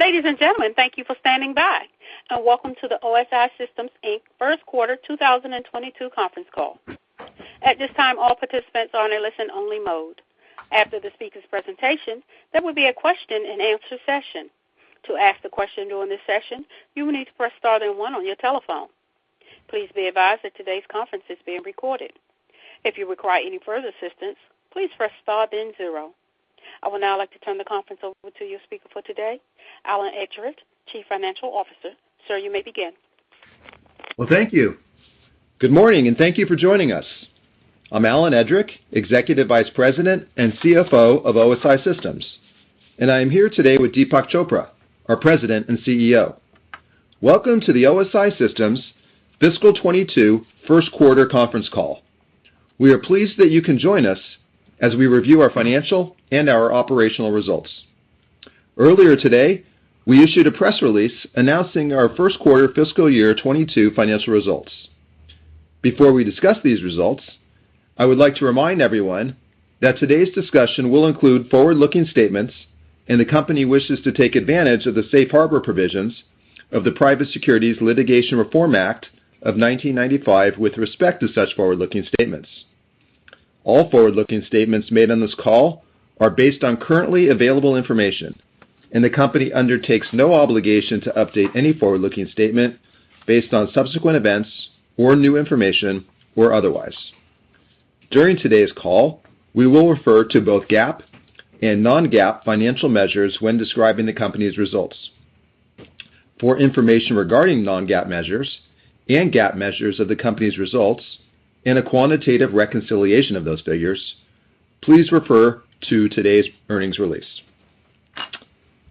Ladies and gentlemen, thank you for standing by, and welcome to the OSI Systems, Inc. First Quarter 2022 conference call. At this time, all participants are in a listen-only mode. After the speaker's presentation, there will be a question-and-answer session. To ask the question during this session, you will need to press star then one on your telephone. Please be advised that today's conference is being recorded. If you require any further assistance, please press star then zero. I would now like to turn the conference over to your speaker for today, Alan Edrick, Chief Financial Officer. Sir, you may begin. Well, thank you. Good morning, and thank you for joining us. I'm Alan Edrick, Executive Vice President and CFO of OSI Systems, and I am here today with Deepak Chopra, our President and CEO. Welcome to the OSI Systems Fiscal 2022 first quarter conference call. We are pleased that you can join us as we review our financial and our operational results. Earlier today, we issued a press release announcing our first quarter fiscal year 2022 financial results. Before we discuss these results, I would like to remind everyone that today's discussion will include forward-looking statements, and the company wishes to take advantage of the safe harbor provisions of the Private Securities Litigation Reform Act of 1995 with respect to such forward-looking statements. All forward-looking statements made on this call are based on currently available information, and the company undertakes no obligation to update any forward-looking statement based on subsequent events or new information or otherwise. During today's call, we will refer to both GAAP and non-GAAP financial measures when describing the company's results. For information regarding non-GAAP measures and GAAP measures of the company's results and a quantitative reconciliation of those figures, please refer to today's earnings release.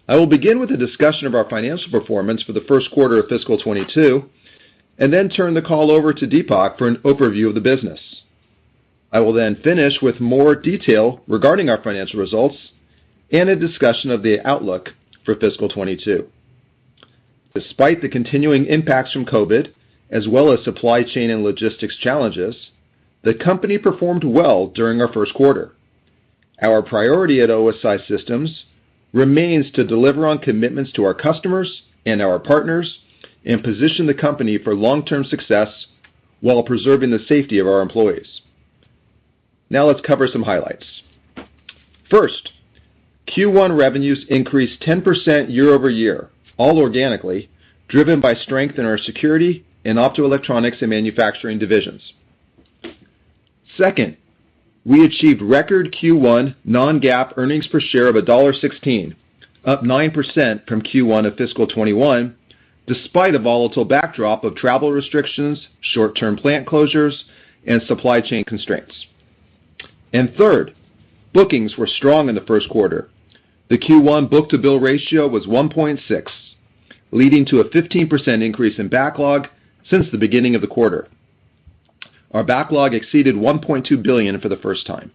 I will begin with a discussion of our financial performance for the first quarter of fiscal 2022 and then turn the call over to Deepak for an overview of the business. I will then finish with more detail regarding our financial results and a discussion of the outlook for fiscal 2022. Despite the continuing impacts from COVID, as well as supply chain and logistics challenges, the company performed well during our first quarter. Our priority at OSI Systems remains to deliver on commitments to our customers and our partners and position the company for long-term success while preserving the safety of our employees. Now let's cover some highlights. First, Q1 revenues increased 10% year-over-year, all organically, driven by strength in our Security and Optoelectronics and Manufacturing divisions. Second, we achieved record Q1 non-GAAP earnings per share of $1.16, up 9% from Q1 of fiscal 2021, despite a volatile backdrop of travel restrictions, short-term plant closures, and supply chain constraints. Third, bookings were strong in the first quarter. The Q1 book-to-bill ratio was 1.6, leading to a 15% increase in backlog since the beginning of the quarter. Our backlog exceeded $1.2 billion for the first time.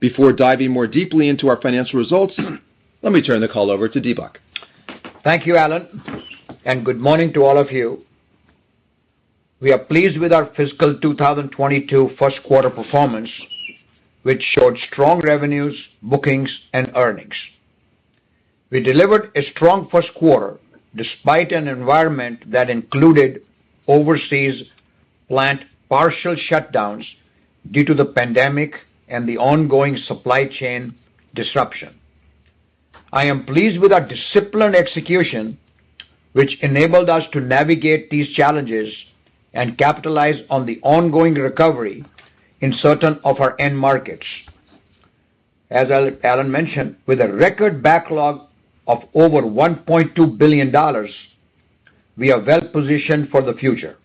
Before diving more deeply into our financial results, let me turn the call over to Deepak. Thank you, Alan, and good morning to all of you. We are pleased with our fiscal 2022 first quarter performance, which showed strong revenues, bookings, and earnings. We delivered a strong first quarter despite an environment that included overseas plant partial shutdowns due to the pandemic and the ongoing supply chain disruption. I am pleased with our disciplined execution, which enabled us to navigate these challenges and capitalize on the ongoing recovery in certain of our end markets. As Alan mentioned, with a record backlog of over $1.2 billion, we are well-positioned for the future.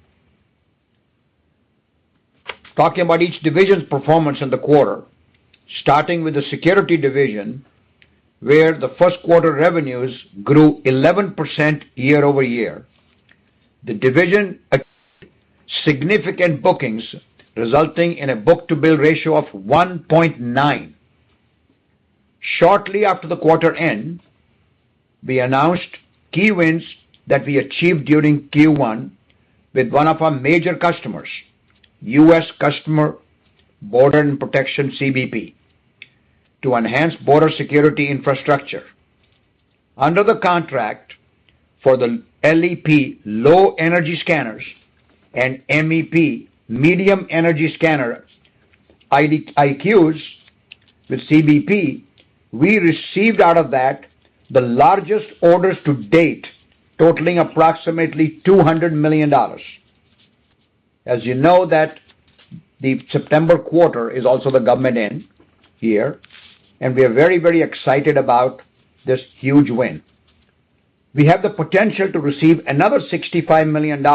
Talking about each division's performance in the quarter, starting with the Security Division, where the first quarter revenues grew 11% year-over-year. The division's significant bookings resulting in a book-to-bill ratio of 1.9. Shortly after the quarter end, we announced key wins that we achieved during Q1 with one of our major customers, U.S. Customs and Border Protection, CBP, to enhance border Security infrastructure. Under the contract for the LEP low-energy scanners and MEP multi-energy scanner IDIQs with CBP, we received out of that the largest orders to date, totaling approximately $200 million. As you know that the September quarter is also the government end year, and we are very, very excited about this huge win. We have the potential to receive another $65 million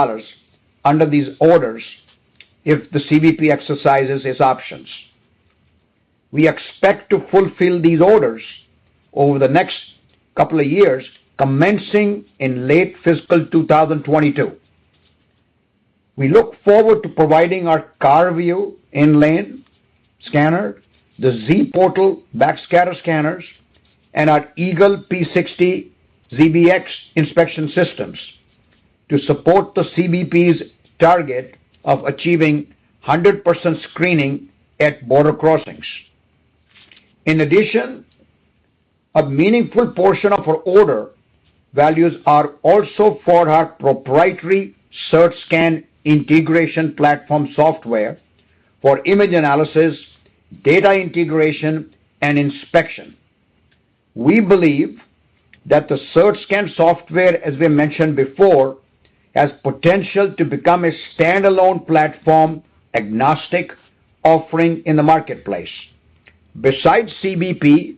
under these orders if the CBP exercises its options. We expect to fulfill these orders over the next couple of years, commencing in late fiscal 2022. We look forward to providing our CarView In-Lane scanner, the Z Portal backscatter scanners, and our Eagle P60 ZBx inspection systems to support the CBP's target of achieving 100% screening at border crossings. In addition, a meaningful portion of our order values are also for our proprietary CertScan integration platform software for image analysis, data integration, and inspection. We believe that the CertScan software, as we mentioned before, has potential to become a standalone platform agnostic offering in the marketplace. Besides CBP,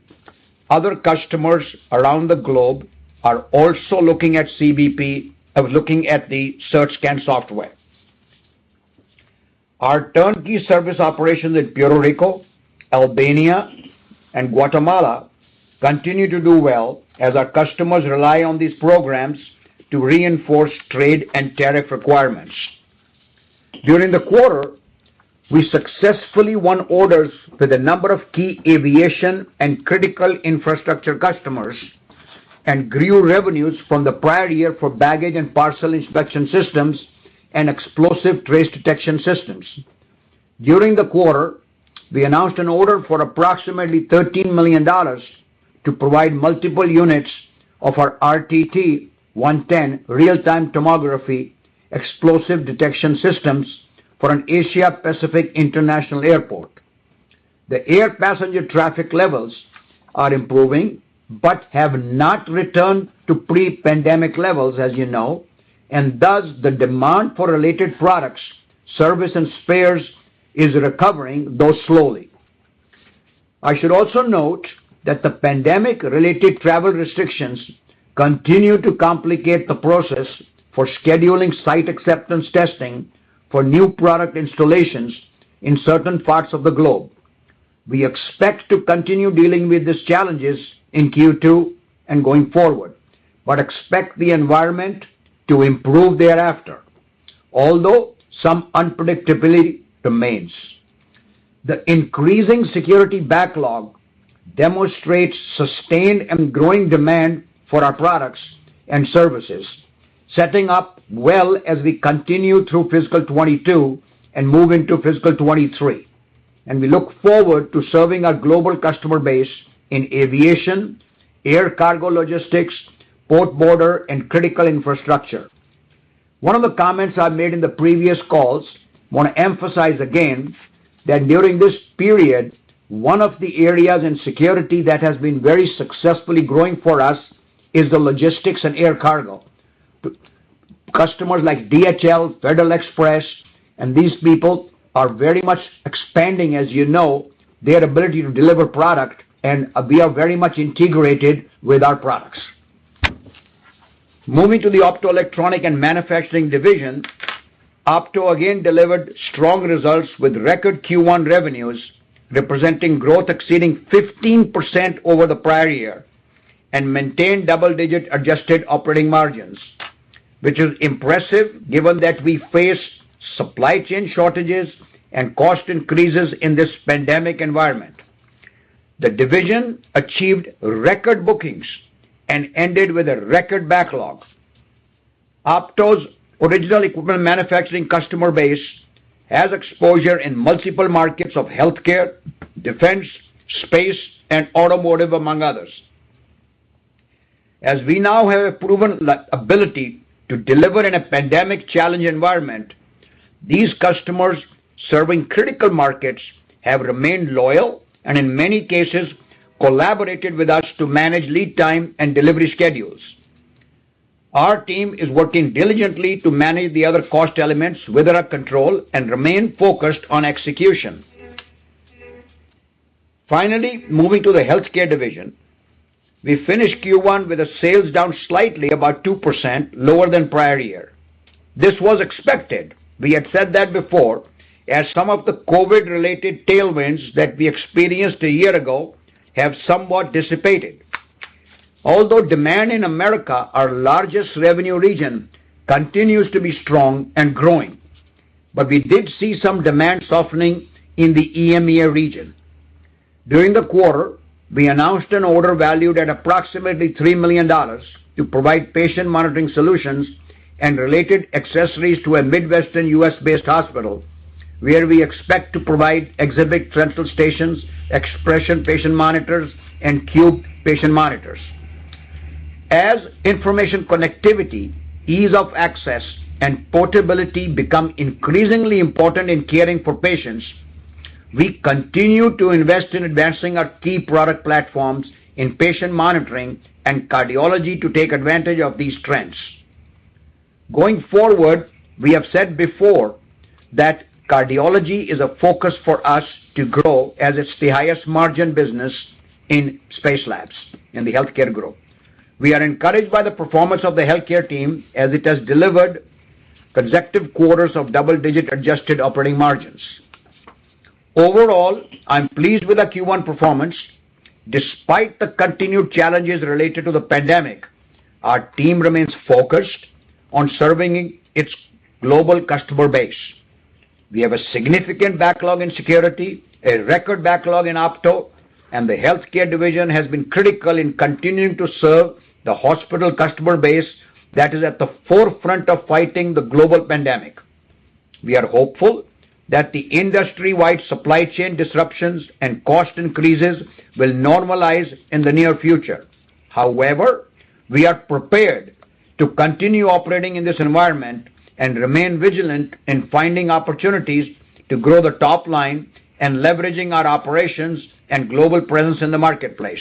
other customers around the globe are also looking at the CertScan software. Our turnkey service operations in Puerto Rico, Albania, and Guatemala continue to do well as our customers rely on these programs to reinforce trade and tariff requirements. During the quarter, we successfully won orders with a number of key aviation and critical infrastructure customers and grew revenues from the prior year for baggage and parcel inspection systems and explosive trace detection systems. During the quarter, we announced an order for approximately $13 million to provide multiple units of our RTT 110 Real Time Tomography explosive detection systems for an Asia-Pacific international airport. The air passenger traffic levels are improving, but have not returned to pre-pandemic levels, as you know, and thus the demand for related products, service, and spares is recovering, though slowly. I should also note that the pandemic-related travel restrictions continue to complicate the process for scheduling site acceptance testing for new product installations in certain parts of the globe. We expect to continue dealing with these challenges in Q2 and going forward, but expect the environment to improve thereafter. Although some unpredictability remains. The increasing security backlog demonstrates sustained and growing demand for our products and services, setting up well as we continue through fiscal 2022 and move into fiscal 2023. We look forward to serving our global customer base in aviation, air cargo logistics, port, border, and critical infrastructure. One of the comments I made in the previous calls, I want to emphasize again, that during this period, one of the areas in Security that has been very successfully growing for us is the logistics and air cargo. Customers like DHL, Federal Express, and these people are very much expanding, as you know, their ability to deliver product, and we are very much integrated with our products. Moving to the Optoelectronics and Manufacturing division. Opto again delivered strong results with record Q1 revenues, representing growth exceeding 15% over the prior year and maintained double-digit adjusted operating margins, which is impressive given that we face supply chain shortages and cost increases in this pandemic environment. The division achieved record bookings and ended with a record backlog. Opto's original equipment manufacturing customer base has exposure in multiple markets of healthcare, defense, space, and automotive, among others. As we now have a proven ability to deliver in a pandemic challenged environment, these customers serving critical markets have remained loyal and in many cases, collaborated with us to manage lead time and delivery schedules. Our team is working diligently to manage the other cost elements with our control and remain focused on execution. Finally, moving to the Healthcare Division. We finished Q1 with sales down slightly, about 2% lower than prior year. This was expected. We had said that before, as some of the COVID-related tailwinds that we experienced a year ago have somewhat dissipated. Although demand in America, our largest revenue region, continues to be strong and growing. We did see some demand softening in the EMEA region. During the quarter, we announced an order valued at approximately $3 million to provide patient monitoring solutions and related accessories to a Midwestern U.S.-based hospital, where we expect to provide Xhibit Central Stations, Xprezzon patient monitors, and Qube patient monitors. As information connectivity, ease of access, and portability become increasingly important in caring for patients, we continue to invest in advancing our key product platforms in patient monitoring and cardiology to take advantage of these trends. Going forward, we have said before that cardiology is a focus for us to grow as it's the highest margin business in Spacelabs, in the Healthcare group. We are encouraged by the performance of the Healthcare team as it has delivered consecutive quarters of double-digit adjusted operating margins. Overall, I'm pleased with the Q1 performance. Despite the continued challenges related to the pandemic, our team remains focused on serving its global customer base. We have a significant backlog in Security, a record backlog in Opto, and the Healthcare Division has been critical in continuing to serve the hospital customer base that is at the forefront of fighting the global pandemic. We are hopeful that the industry-wide supply chain disruptions and cost increases will normalize in the near future. However, we are prepared to continue operating in this environment and remain vigilant in finding opportunities to grow the top line and leveraging our operations and global presence in the marketplace.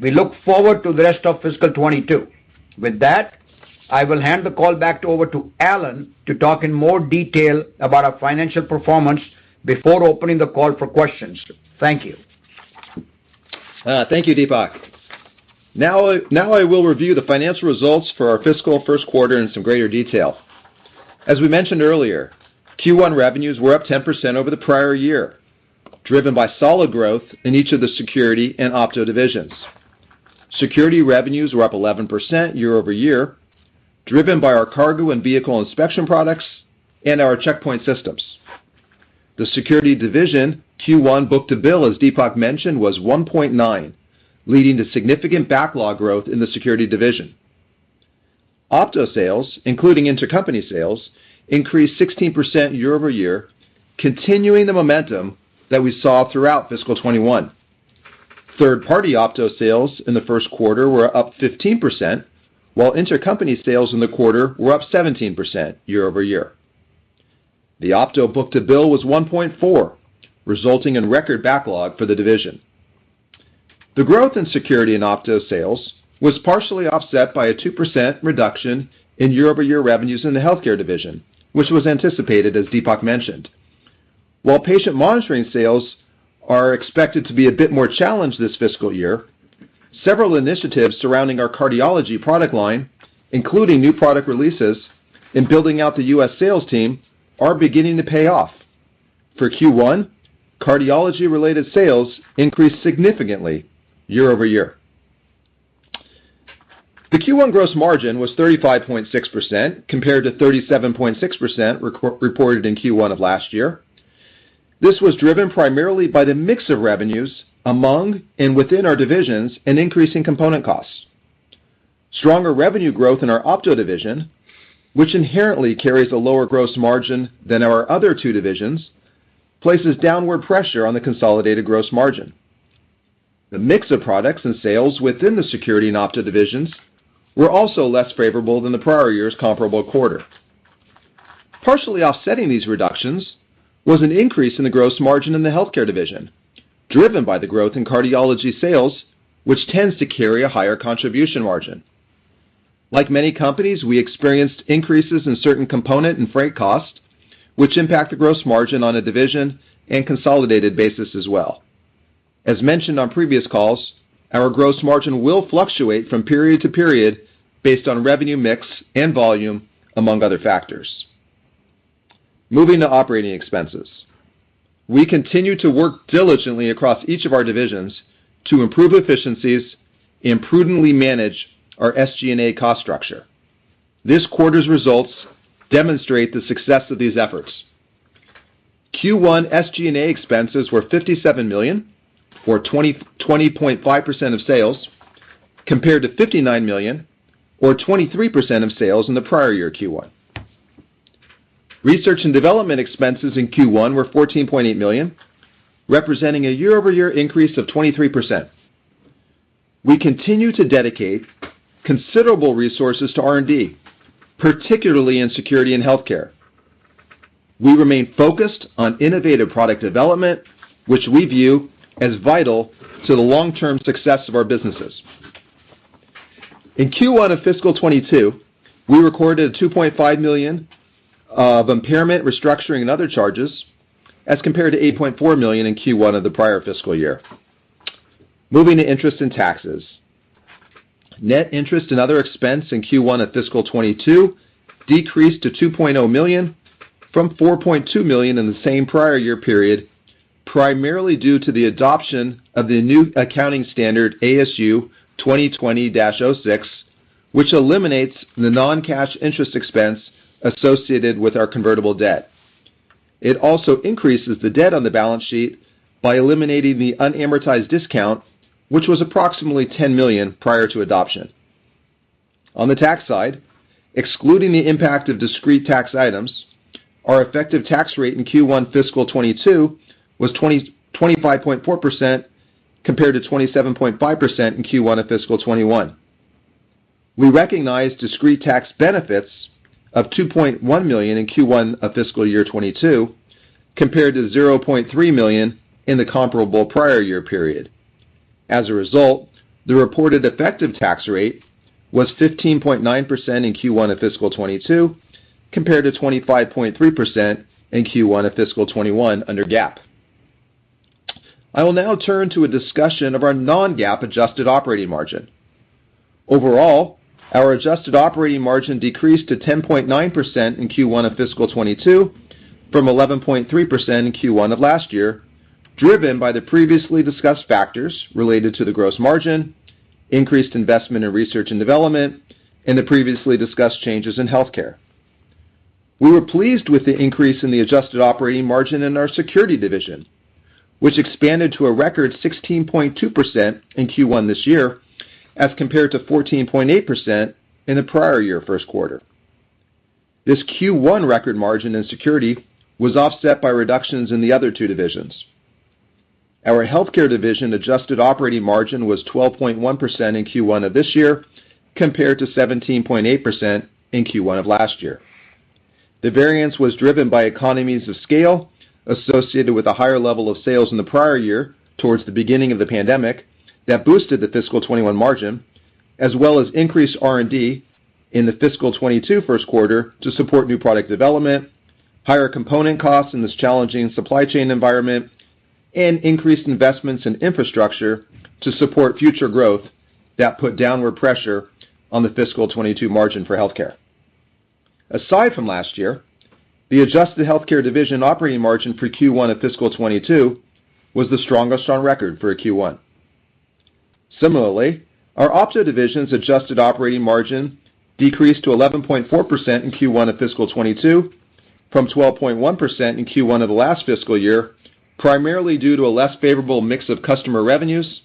We look forward to the rest of fiscal 2022. With that, I will hand the call back over to Alan to talk in more detail about our financial performance before opening the call for questions. Thank you. Thank you, Deepak. Now I will review the financial results for our fiscal first quarter in some greater detail. As we mentioned earlier, Q1 revenues were up 10% over the prior year, driven by solid growth in each of the Security and Opto Divisions. Security revenues were up 11% year-over-year, driven by our cargo and vehicle inspection products and our checkpoint systems. The Security Division Q1 book-to-bill, as Deepak mentioned, was 1.9, leading to significant backlog growth in the Security Division. Opto sales, including intercompany sales, increased 16% year-over-year, continuing the momentum that we saw throughout fiscal 2021. Third-party Opto sales in the first quarter were up 15%, while intercompany sales in the quarter were up 17% year-over-year. The Opto book-to-bill was 1.4, resulting in record backlog for the division. The growth in Security and Opto sales was partially offset by a 2% reduction in year-over-year revenues in the Healthcare Division, which was anticipated, as Deepak mentioned. While patient monitoring sales are expected to be a bit more challenged this fiscal year, several initiatives surrounding our cardiology product line, including new product releases and building out the U.S. sales team, are beginning to pay off. For Q1, cardiology-related sales increased significantly year-over-year. The Q1 gross margin was 35.6% compared to 37.6% reported in Q1 of last year. This was driven primarily by the mix of revenues among and within our divisions and increasing component costs. Stronger revenue growth in our Opto Division, which inherently carries a lower gross margin than our other two divisions, places downward pressure on the consolidated gross margin. The mix of products and sales within the Security and Opto Divisions were also less favorable than the prior year's comparable quarter. Partially offsetting these reductions was an increase in the gross margin in the Healthcare Division, driven by the growth in cardiology sales, which tends to carry a higher contribution margin. Like many companies, we experienced increases in certain component and freight costs, which impact the gross margin on a division and consolidated basis as well. As mentioned on previous calls, our gross margin will fluctuate from period to period based on revenue mix and volume, among other factors. Moving to operating expenses. We continue to work diligently across each of our divisions to improve efficiencies and prudently manage our SG&A cost structure. This quarter's results demonstrate the success of these efforts. Q1 SG&A expenses were $57 million or 20.5% of sales, compared to $59 million or 23% of sales in the prior-year Q1. Research and development expenses in Q1 were $14.8 million, representing a year-over-year increase of 23%. We continue to dedicate considerable resources to R&D, particularly in Security and Healthcare. We remain focused on innovative product development, which we view as vital to the long-term success of our businesses. In Q1 of fiscal 2022, we recorded $2.5 million of impairment, restructuring, and other charges as compared to $8.4 million in Q1 of the prior fiscal year. Moving to interest and taxes. Net interest and other expense in Q1 of fiscal 2022 decreased to $2.0 million from $4.2 million in the same prior year period, primarily due to the adoption of the new accounting standard ASU 2020-06, which eliminates the non-cash interest expense associated with our convertible debt. It also increases the debt on the balance sheet by eliminating the unamortized discount, which was approximately $10 million prior to adoption. On the tax side, excluding the impact of discrete tax items, our effective tax rate in Q1 fiscal 2022 was 25.4% compared to 27.5% in Q1 of fiscal 2021. We recognized discrete tax benefits of $2.1 million in Q1 of fiscal year 2022 compared to $0.3 million in the comparable prior year period. As a result, the reported effective tax rate was 15.9% in Q1 of fiscal 2022 compared to 25.3% in Q1 of fiscal 2021 under GAAP. I will now turn to a discussion of our non-GAAP adjusted operating margin. Overall, our adjusted operating margin decreased to 10.9% in Q1 of fiscal 2022 from 11.3% in Q1 of last year, driven by the previously discussed factors related to the gross margin. Increased investment in research and development, and the previously discussed changes in Healthcare. We were pleased with the increase in the adjusted operating margin in our Security Division, which expanded to a record 16.2% in Q1 this year as compared to 14.8% in the prior year first quarter. This Q1 record margin in Security was offset by reductions in the other two divisions. Our Healthcare Division adjusted operating margin was 12.1% in Q1 of this year, compared to 17.8% in Q1 of last year. The variance was driven by economies of scale associated with a higher level of sales in the prior year towards the beginning of the pandemic that boosted the fiscal 2021 margin, as well as increased R&D in the fiscal 2022 first quarter to support new product development, higher component costs in this challenging supply chain environment, and increased investments in infrastructure to support future growth that put downward pressure on the fiscal 2022 margin for Healthcare. Aside from last year, the adjusted Healthcare Division operating margin for Q1 at fiscal 2022 was the strongest on record for a Q1. Similarly, our Opto Division's adjusted operating margin decreased to 11.4% in Q1 of fiscal 2022 from 12.1% in Q1 of the last fiscal year, primarily due to a less favorable mix of customer revenues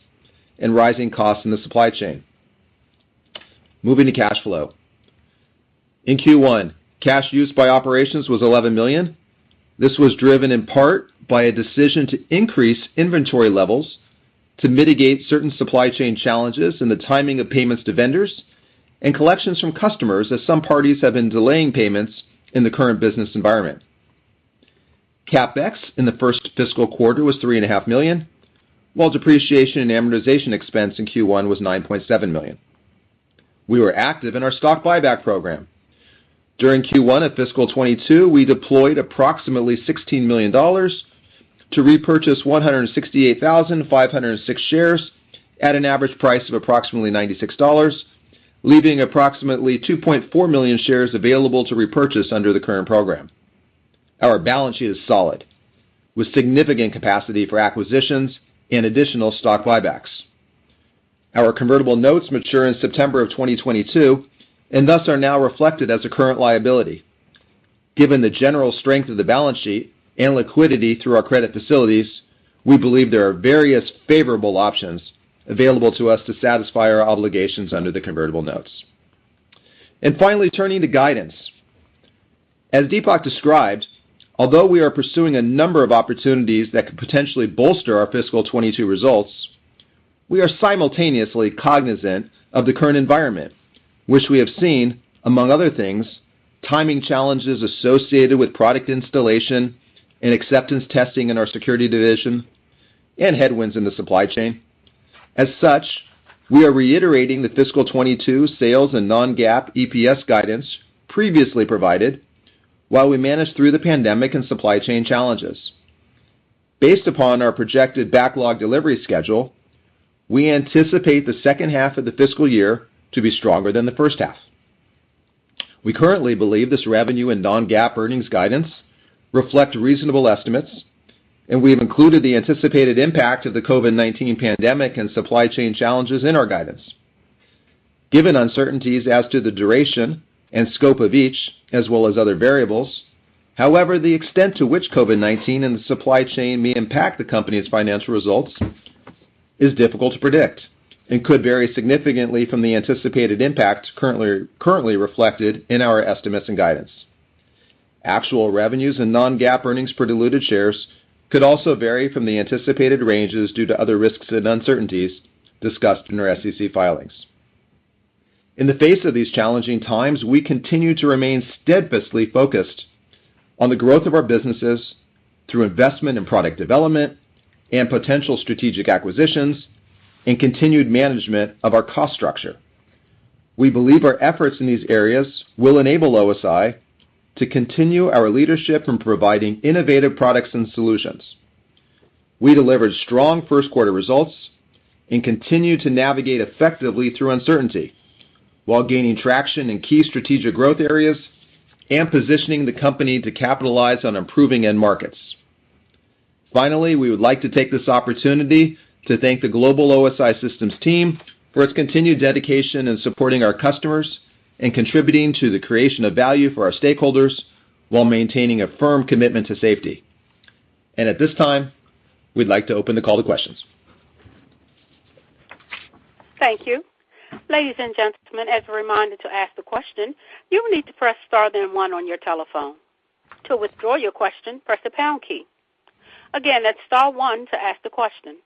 and rising costs in the supply chain. Moving to cash flow. In Q1, cash used by operations was $11 million. This was driven in part by a decision to increase inventory levels to mitigate certain supply chain challenges in the timing of payments to vendors and collections from customers, as some parties have been delaying payments in the current business environment. CapEx in the first fiscal quarter was $3.5 million, while depreciation and amortization expense in Q1 was $9.7 million. We were active in our stock buyback program. During Q1 of fiscal 2022, we deployed approximately $16 million to repurchase 168,506 shares at an average price of approximately $96, leaving approximately 2.4 million shares available to repurchase under the current program. Our balance sheet is solid, with significant capacity for acquisitions and additional stock buybacks. Our convertible notes mature in September 2022, and thus are now reflected as a current liability. Given the general strength of the balance sheet and liquidity through our credit facilities, we believe there are various favorable options available to us to satisfy our obligations under the convertible notes. Finally, turning to guidance. As Deepak described, although we are pursuing a number of opportunities that could potentially bolster our fiscal 2022 results, we are simultaneously cognizant of the current environment, which we have seen, among other things, timing challenges associated with product installation and acceptance testing in our Security Division and headwinds in the supply chain. As such, we are reiterating the fiscal 2022 sales and non-GAAP EPS guidance previously provided while we manage through the pandemic and supply chain challenges. Based upon our projected backlog delivery schedule, we anticipate the second half of the fiscal year to be stronger than the first half. We currently believe this revenue and non-GAAP earnings guidance reflect reasonable estimates, and we have included the anticipated impact of the COVID-19 pandemic and supply chain challenges in our guidance. Given uncertainties as to the duration and scope of each, as well as other variables, however, the extent to which COVID-19 and the supply chain may impact the company's financial results is difficult to predict and could vary significantly from the anticipated impact currently reflected in our estimates and guidance. Actual revenues and non-GAAP earnings per diluted shares could also vary from the anticipated ranges due to other risks and uncertainties discussed in our SEC filings. In the face of these challenging times, we continue to remain steadfastly focused on the growth of our businesses through investment in product development and potential strategic acquisitions and continued management of our cost structure. We believe our efforts in these areas will enable OSI to continue our leadership in providing innovative products and solutions. We delivered strong first quarter results and continue to navigate effectively through uncertainty while gaining traction in key strategic growth areas and positioning the company to capitalize on improving end markets. Finally, we would like to take this opportunity to thank the global OSI Systems team for its continued dedication in supporting our customers and contributing to the creation of value for our stakeholders while maintaining a firm commitment to safety. At this time, we'd like to open the call to questions. Thank you. Ladies and gentlemen, as a reminder to ask the question, you will need to press star then one on your telephone. To withdraw your question, press the pound key. Again, that's star one to ask the question.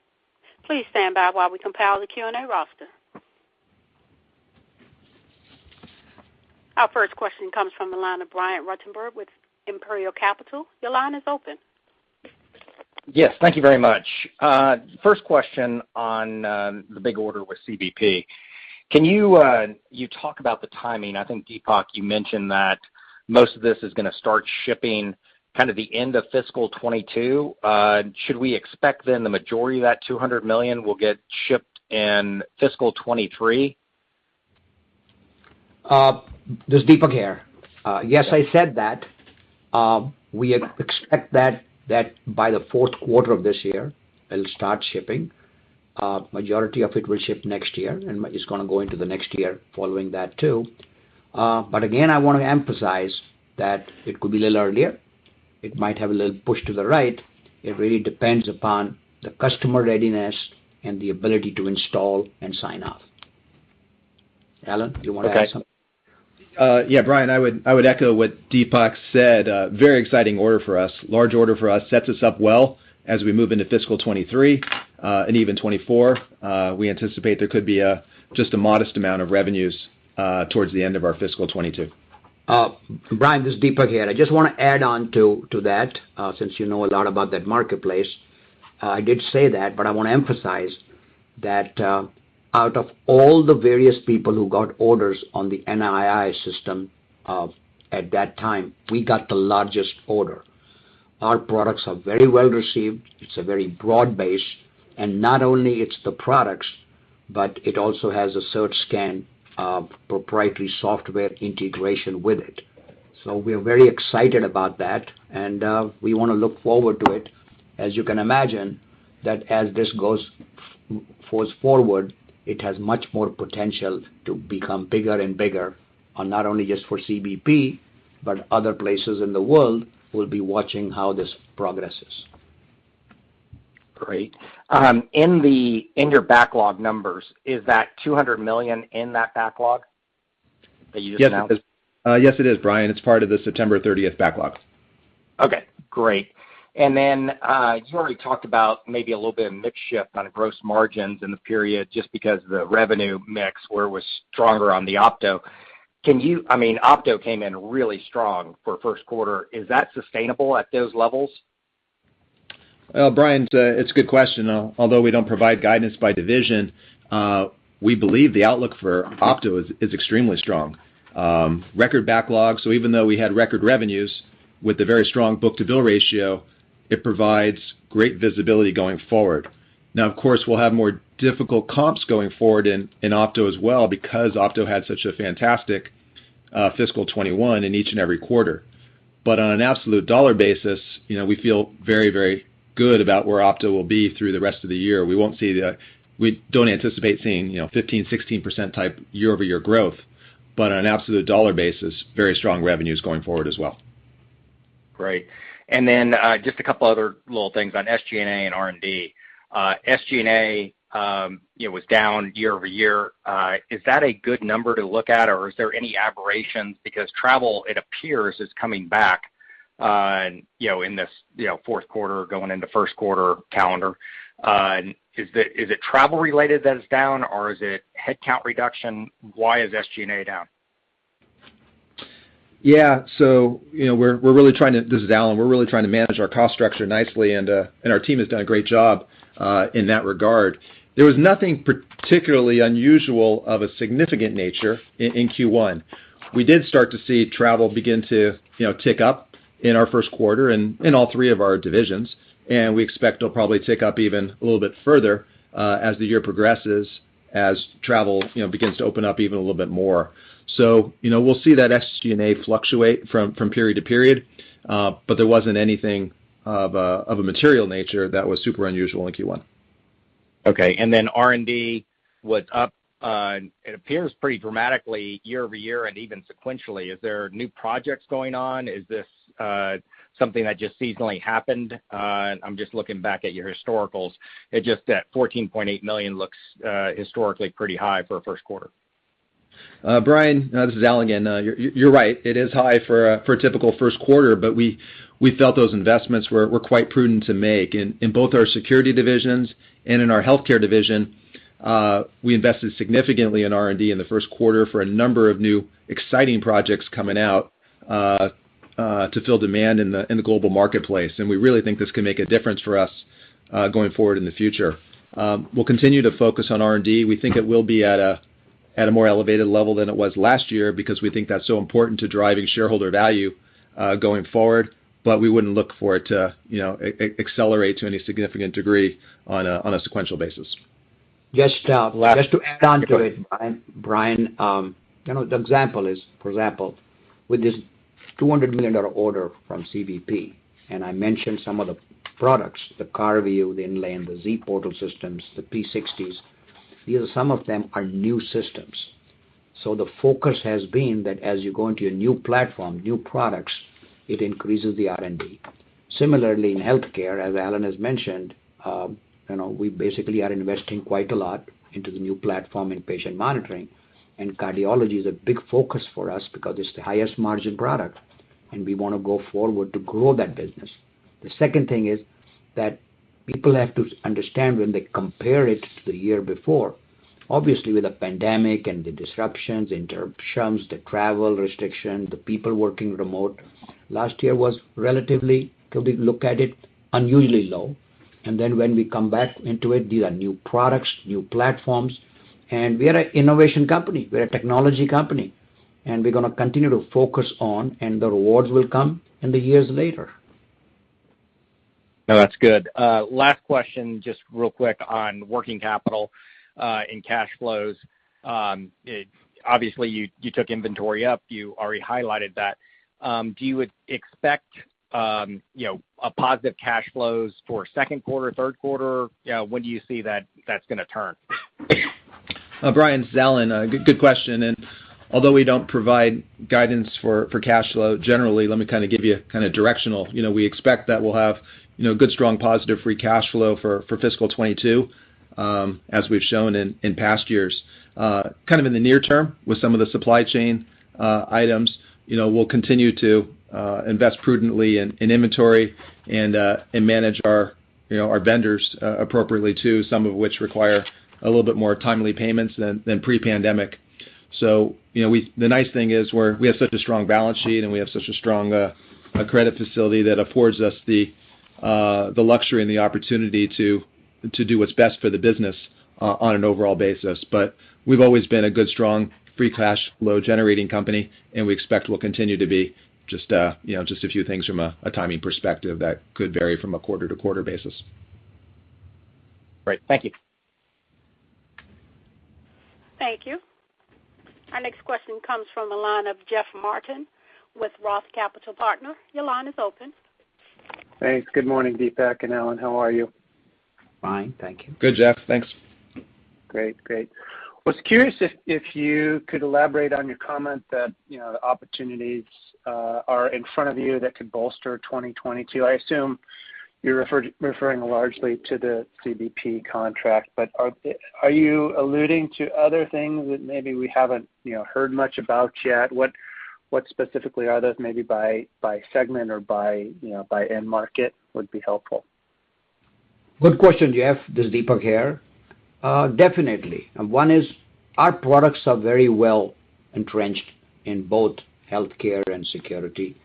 Please stand by while we compile the Q&A roster. Our first question comes from the line of Brian Ruttenbur with Imperial Capital. Your line is open. Yes, thank you very much. First question on the big order with CBP. Can you talk about the timing. I think, Deepak, you mentioned that most of this is gonna start shipping kind of the end of fiscal 2022. Should we expect then the majority of that $200 million will get shipped in fiscal 2023? This is Deepak here. Yes, I said that. We expect that by the fourth quarter of this year it'll start shipping. Majority of it will ship next year, and it's gonna go into the next year following that too. Again, I wanna emphasize that it could be a little earlier, it might have a little push to the right. It really depends upon the customer readiness and the ability to install and sign off. Alan, do you wanna add something? Okay. Yeah, Brian, I would echo what Deepak said. Very exciting order for us. Large order for us. Sets us up well as we move into fiscal 2023, and even 2024. We anticipate there could be just a modest amount of revenues towards the end of our fiscal 2022. Brian, this is Deepak here. I just wanna add on to that, since you know a lot about that marketplace. I did say that, but I wanna emphasize that, out of all the various people who got orders on the NII system, at that time, we got the largest order. Our products are very well-received. It's a very broad base. Not only it's the products, but it also has a CertScan, proprietary software integration with it. So we're very excited about that, and, we wanna look forward to it. As you can imagine, that as this goes forward, it has much more potential to become bigger and bigger on not only just for CBP, but other places in the world will be watching how this progresses. Great. In your backlog numbers, is that $200 million in that backlog that you just announced? Yes, it is Brian. It's part of the September 30th backlog. Okay, great. You already talked about maybe a little bit of mix shift on gross margins in the period just because the revenue mix where it was stronger on the Opto. I mean, Opto came in really strong for first quarter. Is that sustainable at those levels? Brian, it's a good question. Although we don't provide guidance by division, we believe the outlook for Opto is extremely strong. Record backlogs, so even though we had record revenues with a very strong book-to-bill ratio, it provides great visibility going forward. Now, of course, we'll have more difficult comps going forward in Opto as well because Opto had such a fantastic fiscal 2021 in each and every quarter. But on an absolute dollar basis, you know, we feel very, very good about where Opto will be through the rest of the year. We don't anticipate seeing, you know, 15%, 16% type year-over-year growth, but on an absolute dollar basis, very strong revenues going forward as well. Great. Then just a couple other little things on SG&A and R&D. SG&A, it was down year-over-year. Is that a good number to look at, or is there any aberrations? Because travel, it appears, is coming back, you know, in this, you know, fourth quarter going into first quarter calendar. Is it travel related that it's down or is it headcount reduction? Why is SG&A down? This is Alan. We're really trying to manage our cost structure nicely, and our team has done a great job in that regard. There was nothing particularly unusual of a significant nature in Q1. We did start to see travel begin to tick up in our first quarter in all three of our divisions, and we expect it'll probably tick up even a little bit further as the year progresses, as travel begins to open up even a little bit more. You know, we'll see that SG&A fluctuate from period to period, but there wasn't anything of a material nature that was super unusual in Q1. Okay. R&D was up, it appears pretty dramatically year-over-year and even sequentially. Is there new projects going on? Is this something that just seasonally happened? I'm just looking back at your historicals. It's just that $14.8 million looks historically pretty high for a first quarter. Brian, this is Alan again. You're right. It is high for a typical first quarter, but we felt those investments were quite prudent to make. In both our Security Divisions and in our Healthcare Division, we invested significantly in R&D in the first quarter for a number of new exciting projects coming out to fill demand in the global marketplace, and we really think this can make a difference for us going forward in the future. We'll continue to focus on R&D. We think it will be at a more elevated level than it was last year because we think that's so important to driving shareholder value going forward, but we wouldn't look for it to, you know, accelerate to any significant degree on a sequential basis. Just to add onto it, Brian. You know, the example is, for example, with this $200 million order from CBP, and I mentioned some of the products, the CarView In-Lane, the Z Portal systems, the P60s. These are some of them are new systems. The focus has been that as you go into a new platform, new products, it increases the R&D. Similarly, in Healthcare, as Alan has mentioned, you know, we basically are investing quite a lot into the new platform in patient monitoring. Cardiology is a big focus for us because it's the highest margin product, and we wanna go forward to grow that business. The second thing is that people have to understand when they compare it to the year before. Obviously, with the pandemic and the disruptions, interruptions, the travel restriction, the people working remote, last year was relatively, if we look at it, unusually low. When we come back into it, these are new products, new platforms, and we're an innovation company, we're a technology company, and we're gonna continue to focus on, and the rewards will come in the years later. No, that's good. Last question, just real quick on working capital and cash flows. Obviously, you took inventory up. You already highlighted that. Do you expect, you know, a positive cash flows for second quarter, third quarter? You know, when do you see that that's gonna turn? Brian, this is Alan. Good question. Although we don't provide guidance for cash flow, generally, let me kind of give you a kind of directional. You know, we expect that we'll have good, strong, positive free cash flow for fiscal 2022, as we've shown in past years. Kind of in the near term with some of the supply chain items, you know, we'll continue to invest prudently in inventory and manage our vendors appropriately too, some of which require a little bit more timely payments than pre-pandemic. You know, the nice thing is we have such a strong balance sheet, and we have such a strong credit facility that affords us the luxury and the opportunity to do what's best for the business on an overall basis. We've always been a good, strong, free cash flow-generating company, and we expect we'll continue to be just, you know, just a few things from a timing perspective that could vary from a quarter-to-quarter basis. Great. Thank you. Thank you. Our next question comes from the line of Jeff Martin with ROTH Capital Partners. Your line is open. Thanks. Good morning, Deepak and Alan. How are you? Fine. Thank you. Good, Jeff. Thanks. Great. I was curious if you could elaborate on your comment that, you know, the opportunities are in front of you that could bolster 2022. I assume you're referring largely to the CBP contract. But are you alluding to other things that maybe we haven't, you know, heard much about yet? What specifically are those maybe by segment or by, you know, by end market would be helpful. Good question, Jeff. This is Deepak here. Definitely. One is our products are very well entrenched in both Healthcare and Security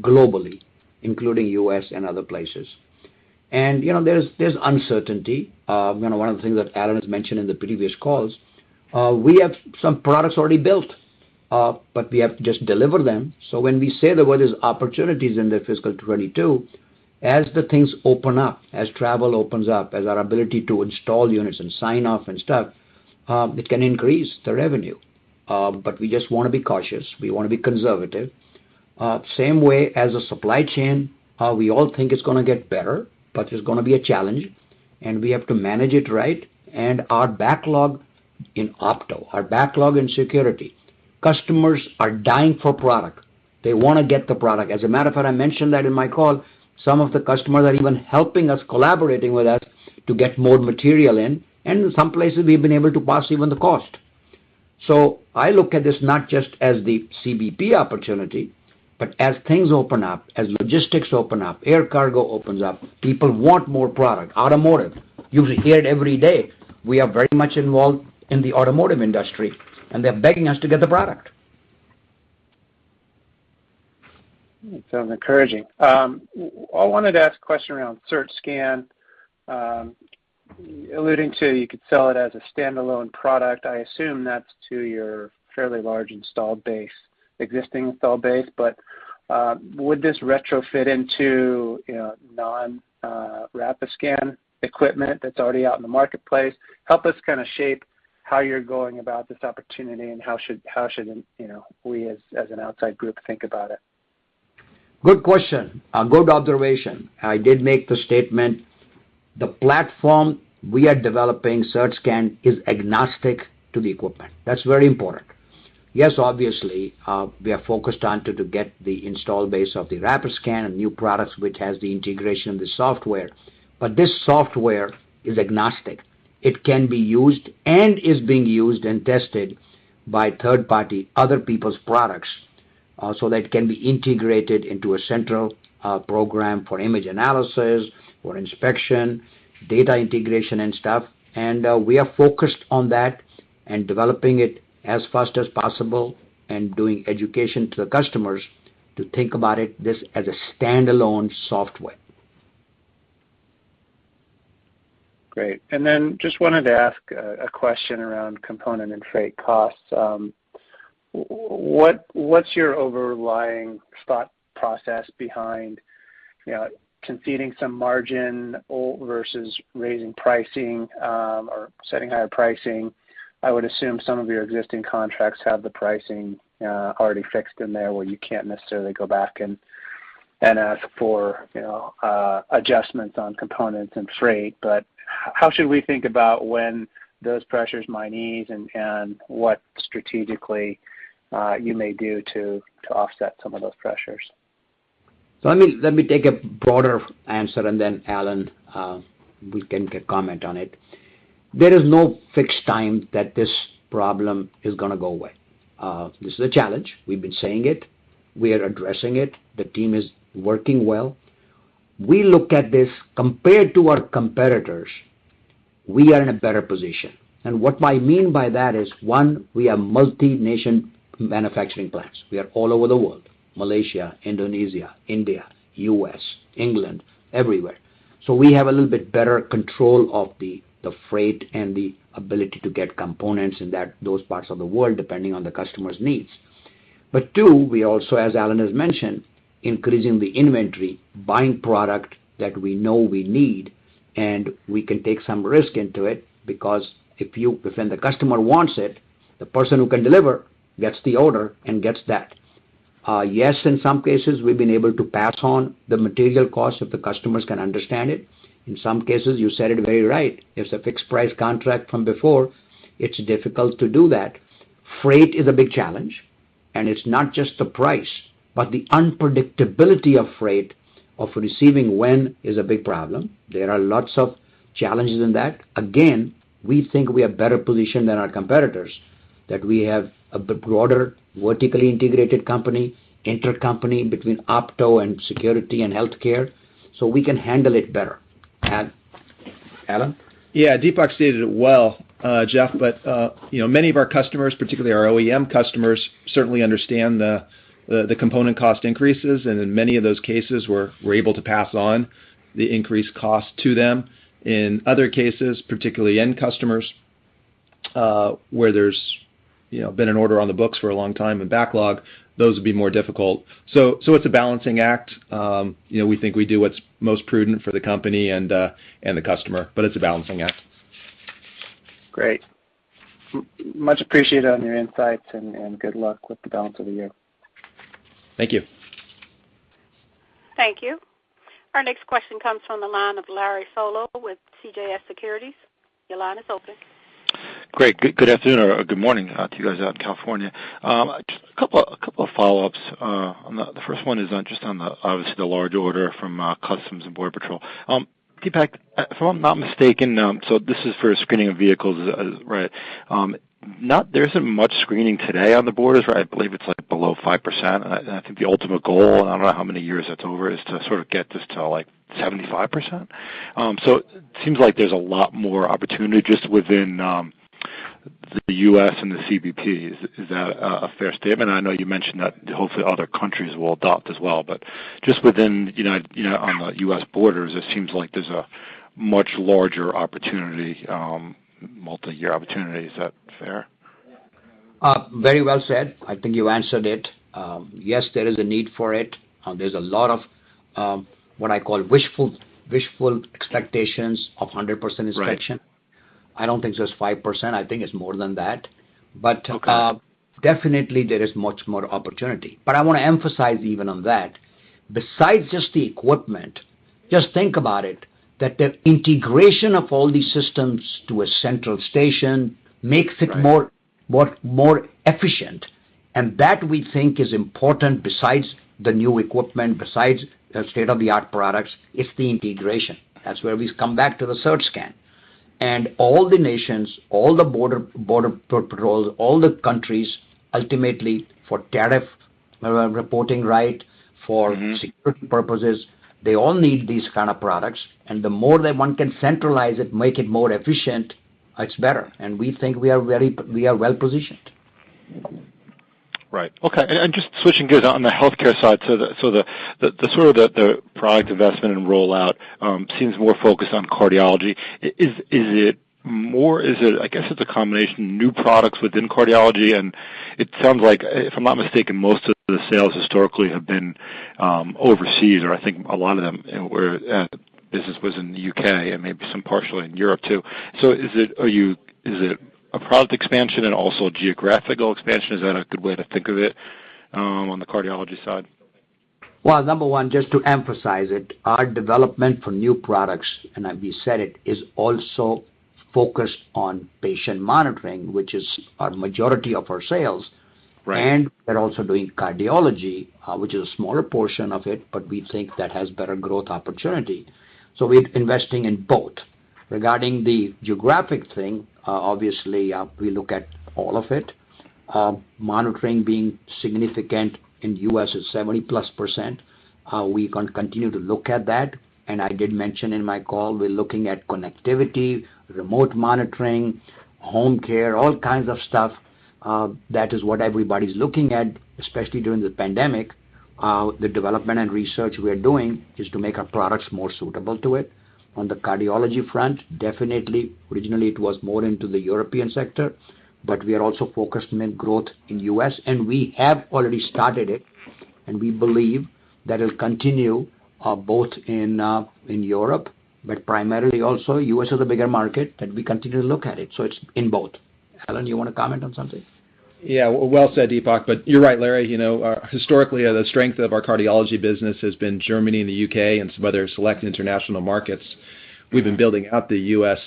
globally, including U.S. and other places. You know, there's uncertainty. You know, one of the things that Alan has mentioned in the previous calls, we have some products already built, but we have to just deliver them. When we say the word is opportunities in the fiscal 2022, as the things open up, as travel opens up, as our ability to install units and sign off and stuff, it can increase the revenue. But we just wanna be cautious. We wanna be conservative. Same way as a supply chain, how we all think it's gonna get better, but it's gonna be a challenge, and we have to manage it right. Our backlog in Opto, our backlog in Security, customers are dying for product. They wanna get the product. As a matter of fact, I mentioned that in my call, some of the customers are even helping us, collaborating with us to get more material in, and in some places, we've been able to pass even the cost. I look at this not just as the CBP opportunity, but as things open up, as logistics open up, air cargo opens up, people want more product. Automotive, you hear it every day. We are very much involved in the automotive industry, and they're begging us to get the product. Sounds encouraging. I wanted to ask a question around CertScan, alluding to you could sell it as a standalone product. I assume that's to your fairly large installed base, existing installed base. Would this retrofit into, you know, non-Rapiscan equipment that's already out in the marketplace? Help us kinda shape how you're going about this opportunity and how should, you know, we as an outside group think about it. Good question. A good observation. I did make the statement, the platform we are developing, CertScan, is agnostic to the equipment. That's very important. Yes, obviously, we are focused on to get the install base of the Rapiscan and new products which has the integration of the software. But this software is agnostic. It can be used and is being used and tested by third party, other people's products, so that it can be integrated into a central program for image analysis, for inspection, data integration and stuff. We are focused on that and developing it as fast as possible and doing education to the customers to think about it just as a standalone software. Great. Then just wanted to ask a question around component and freight costs. What's your overlying thought process behind, you know, conceding some margin versus raising pricing or setting higher pricing? I would assume some of your existing contracts have the pricing already fixed in there where you can't necessarily go back and ask for, you know, adjustments on components and freight. How should we think about when those pressures might ease and what strategically you may do to offset some of those pressures? Let me take a broader answer, and then Alan, we can comment on it. There is no fixed time that this problem is gonna go away. This is a challenge. We've been saying it. We are addressing it. The team is working well. We look at this, compared to our competitors, we are in a better position. What I mean by that is, one, we have multinational manufacturing plants. We are all over the world, Malaysia, Indonesia, India, U.S., England, everywhere. We have a little bit better control of the freight and the ability to get components in those parts of the world, depending on the customer's needs. Two, we also, as Alan has mentioned, increasing the inventory, buying product that we know we need, and we can take some risk into it because if then the customer wants it, the person who can deliver gets the order and gets that. Yes, in some cases, we've been able to pass on the material cost if the customers can understand it. In some cases, you said it very right. If it's a fixed price contract from before, it's difficult to do that. Freight is a big challenge, and it's not just the price, but the unpredictability of freight and receiving when is a big problem. There are lots of challenges in that. Again, we think we are better positioned than our competitors, that we have a broader vertically integrated company, intercompany between Opto and Security and Healthcare, so we can handle it better. Alan? Yeah. Deepak stated it well, Jeff, but you know, many of our customers, particularly our OEM customers, certainly understand the component cost increases. In many of those cases, we're able to pass on the increased cost to them. In other cases, particularly end customers, where there's you know, been an order on the books for a long time and backlog, those would be more difficult. So it's a balancing act. You know, we think we do what's most prudent for the company and the customer, but it's a balancing act. Great. Much appreciated on your insights and good luck with the balance of the year. Thank you. Thank you. Our next question comes from the line of Larry Solow with CJS Securities. Your line is open. Great. Good afternoon or good morning out to you guys out in California. Just a couple of follow-ups. The first one is on the obviously large order from Customs and Border Protection. Deepak, if I'm not mistaken, so this is for screening of vehicles, right? There isn't much screening today on the borders, right? I believe it's, like, below 5%. I think the ultimate goal, and I don't know how many years that's over, is to sort of get this to, like, 75%? It seems like there's a lot more opportunity just within the U.S. and the CBP. Is that a fair statement? I know you mentioned that hopefully other countries will adopt as well. Just within, you know, on the U.S. borders, it seems like there's a much larger opportunity, multiyear opportunity. Is that fair? Very well said. I think you answered it. Yes, there is a need for it. There's a lot of what I call wishful expectations of 100% inspection. Right. I don't think it's just 5%. I think it's more than that. Okay. Definitely there is much more opportunity. I wanna emphasize even on that, besides just the equipment, just think about it, that the integration of all these systems to a central station makes it more more efficient. Right. That, we think, is important besides the new equipment, besides the state-of-the-art products, it's the integration. That's where we come back to the CertScan. All the nations, all the border patrols, all the countries ultimately for tariff reporting, right, for security purposes, they all need these kind of products. The more that one can centralize it, make it more efficient, it's better. We think we are very well positioned. Right. Okay. Just switching gears on the Healthcare side. The product investment and rollout seems more focused on cardiology. Is it more? Is it, I guess, a combination of new products within cardiology, and it sounds like, if I'm not mistaken, most of the sales historically have been overseas, or I think a lot of them were. Business was in the U.K. and maybe some partially in Europe, too. Is it a product expansion and also a geographical expansion? Is that a good way to think of it on the cardiology side? Well, number one, just to emphasize it, our development for new products, and we said it, is also focused on patient monitoring, which is a majority of our sales. Right. We're also doing cardiology, which is a smaller portion of it, but we think that has better growth opportunity. We're investing in both. Regarding the geographic thing, obviously, we look at all of it, monitoring being significant in the U.S. is 70%+. We can continue to look at that. I did mention in my call, we're looking at connectivity, remote monitoring, home care, all kinds of stuff, that is what everybody's looking at, especially during the pandemic. The development and research we are doing is to make our products more suitable to it. On the cardiology front, definitely, originally, it was more into the European sector, but we are also focused on growth in U.S., and we have already started it, and we believe that it'll continue, both in Europe, but primarily also U.S. is a bigger market, and we continue to look at it. So it's in both. Alan, do you wanna comment on something? Yeah. Well said, Deepak. You're right, Larry. You know, historically, the strength of our cardiology business has been Germany and the U.K. and some other select international markets. We've been building out the U.S.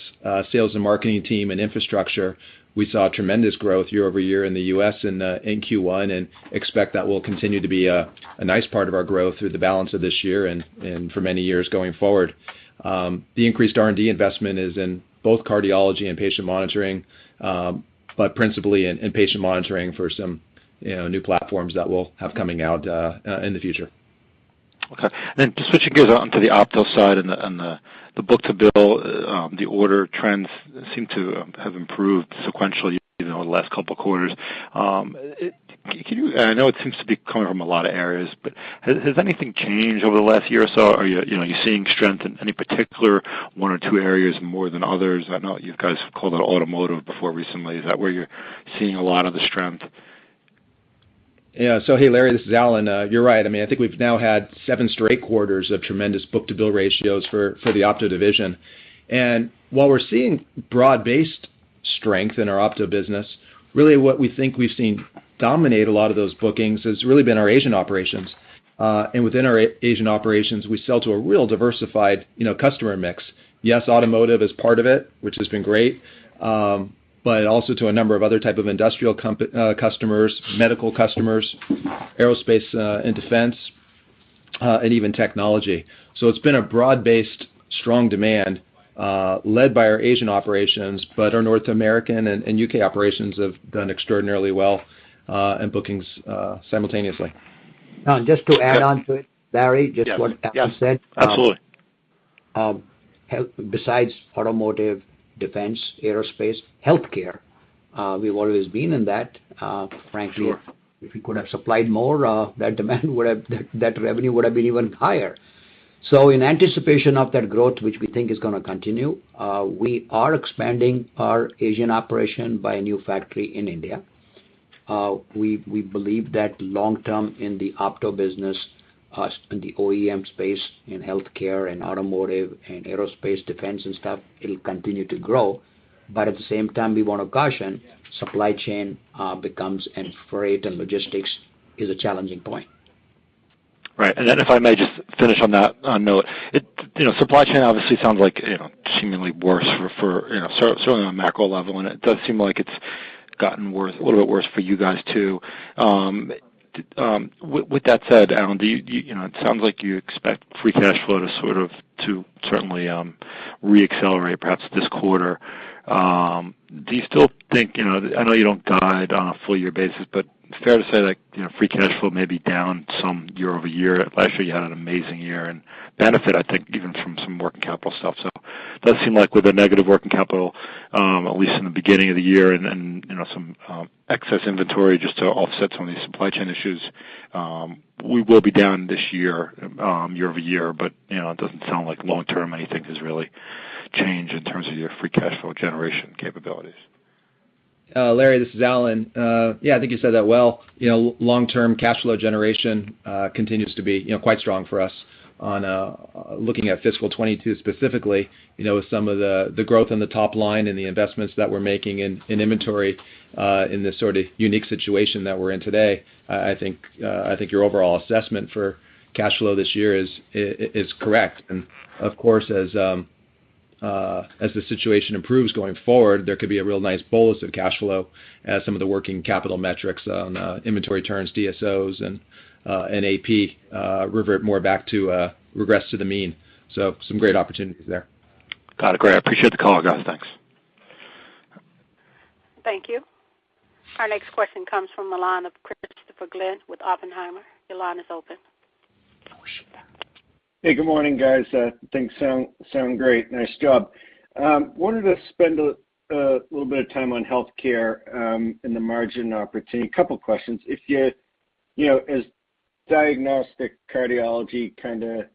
sales and marketing team and infrastructure. We saw tremendous growth year-over-year in the U.S. in Q1, and expect that will continue to be a nice part of our growth through the balance of this year and for many years going forward. The increased R&D investment is in both cardiology and patient monitoring, but principally in patient monitoring for some, you know, new platforms that we'll have coming out in the future. Okay. Then just switching gears onto the Opto side and the book-to-bill, the order trends seem to have improved sequentially, you know, the last couple quarters. I know it seems to be coming from a lot of areas, but has anything changed over the last year or so? Are you know, are you seeing strength in any particular one or two areas more than others? I know you guys have called out automotive before recently. Is that where you're seeing a lot of the strength? Yeah. Hey, Larry, this is Alan. You're right. I mean, I think we've now had seven straight quarters of tremendous book-to-bill ratios for the Opto Division. While we're seeing broad-based strength in our Opto business, really what we think we've seen dominate a lot of those bookings has really been our Asian operations. Within our Asian operations, we sell to a real diversified, you know, customer mix. Yes, automotive is part of it, which has been great, but also to a number of other type of industrial customers, medical customers, aerospace, and defense, and even technology. It's been a broad-based strong demand, led by our Asian operations, but our North American and U.K. operations have done extraordinarily well in bookings simultaneously. Now, just to add on to it, Larry, just what Alan said. Yes. Absolutely. Besides automotive, defense, aerospace, healthcare, we've always been in that, frankly. Sure. If we could have supplied more, that revenue would have been even higher. In anticipation of that growth, which we think is gonna continue, we are expanding our Asian operation by a new factory in India. We believe that long term in the Opto business, in the OEM space, in healthcare and automotive and aerospace defense and stuff, it'll continue to grow. At the same time, we wanna caution, supply chain becomes, and freight and logistics is a challenging point. Right. If I may just finish on that note. You know, supply chain obviously sounds like, you know, seemingly worse for, you know, certainly on a macro level, and it does seem like it's gotten worse, a little bit worse for you guys too. With that said, Alan, do you know, it sounds like you expect free cash flow to sort of, to certainly, reaccelerate perhaps this quarter. Do you still think, you know, I know you don't guide on a full year basis, but fair to say that, you know, free cash flow may be down some year-over-year? Last year you had an amazing year and benefit, I think, even from some working capital stuff. It does seem like with a negative working capital, at least in the beginning of the year and, you know, some excess inventory just to offset some of these supply chain issues, we will be down this year-over-year. You know, it doesn't sound like long-term anything has really changed in terms of your free cash flow generation capabilities. Larry, this is Alan. Yeah, I think you said that well. You know, long-term cash flow generation continues to be, you know, quite strong for us on looking at fiscal 2022 specifically. You know, some of the growth on the top line and the investments that we're making in inventory in this sort of unique situation that we're in today, I think your overall assessment for cash flow this year is correct. Of course, as the situation improves going forward, there could be a real nice bolus of cash flow as some of the working capital metrics on inventory turns, DSOs and AP revert more back to regress to the mean. Some great opportunities there. Got it. Great. I appreciate the call, guys. Thanks. Thank you. Our next question comes from the line of Christopher Glynn with Oppenheimer. Your line is open. Oh, shoot. Hey, good morning, guys. Things sound great. Nice job. Wanted to spend a little bit of time on Healthcare and the margin opportunity. A couple questions. If you know, as diagnostic cardiology kinda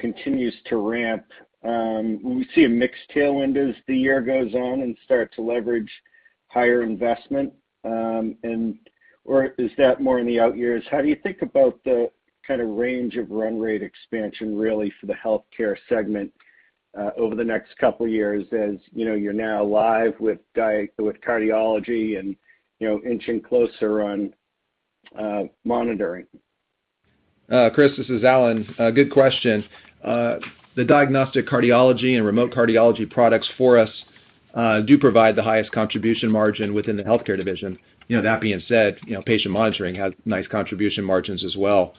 continues to ramp, will we see a mixed tailwind as the year goes on and start to leverage higher investment, and or is that more in the out years? How do you think about the kinda range of run rate expansion really for the Healthcare segment over the next couple years as, you know, you're now live with cardiology and, you know, inching closer on monitoring? Chris, this is Alan. Good question. The diagnostic cardiology and remote cardiology products for us do provide the highest contribution margin within the Healthcare Division. You know, that being said, you know, patient monitoring has nice contribution margins as well.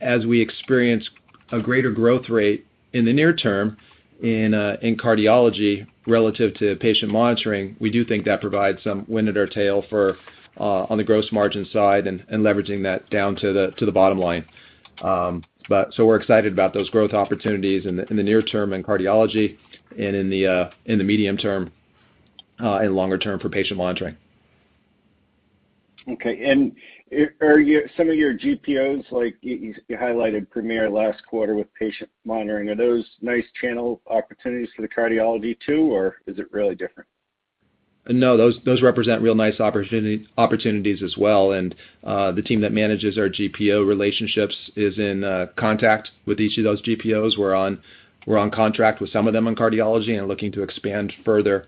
As we experience a greater growth rate in the near term in cardiology relative to patient monitoring, we do think that provides some tailwind on the gross margin side and leveraging that down to the bottom line. We're excited about those growth opportunities in the near term in cardiology and in the medium term and longer term for patient monitoring. Okay. Are some of your GPOs, like you highlighted Premier last quarter with patient monitoring, are those nice channel opportunities for the cardiology too, or is it really different? No, those represent real nice opportunities as well. The team that manages our GPO relationships is in contact with each of those GPOs. We're on contract with some of them on cardiology and looking to expand further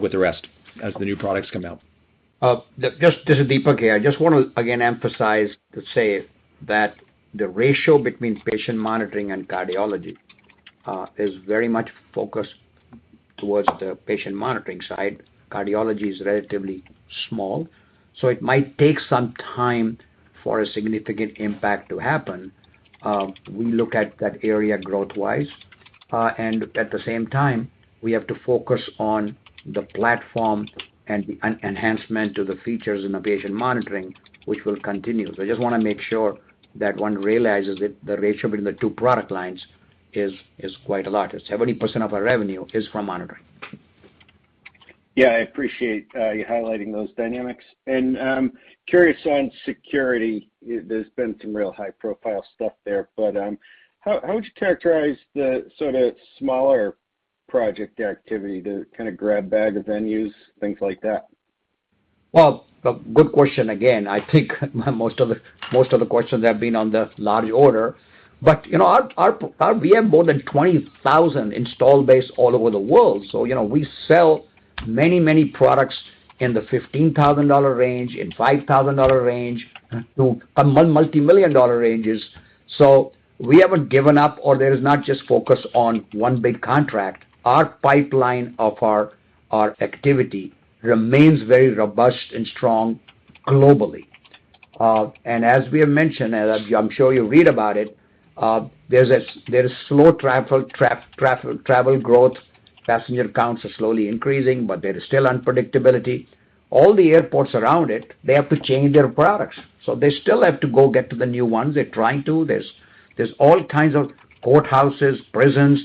with the rest as the new products come out. This is Deepak here. I just wanna again emphasize to say that the ratio between patient monitoring and cardiology is very much focused towards the patient monitoring side. Cardiology is relatively small, so it might take some time for a significant impact to happen. We look at that area growth-wise, and at the same time, we have to focus on the platform and enhancement to the features in the patient monitoring, which will continue. I just wanna make sure that one realizes that the ratio between the two product lines is quite a lot. 70% of our revenue is from monitoring. Yeah, I appreciate you highlighting those dynamics. Curious on security. There's been some real high-profile stuff there, but how would you characterize the sort of smaller project activity, the kind of grab bag of venues, things like that? Well, a good question again. I think most of the questions have been on the large order. You know, our VM more than 20,000 installed base all over the world. You know, we sell many products in the $15,000 range, in the $5,000 range, to a multi-million dollar ranges. We haven't given up, or there is not just focus on one big contract. Our pipeline of our activity remains very robust and strong globally. And as we have mentioned, and I'm sure you read about it, there is slow travel traffic growth. Passenger counts are slowly increasing, but there is still unpredictability. All the airports around it, they have to change their products. They still have to go get to the new ones. They're trying to. There's all kinds of courthouses, prisons,